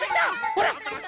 ほら！